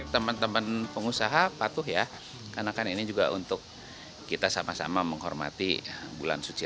teman teman pengusaha patuh ya karena kan ini juga untuk kita sama sama menghormati bulan suci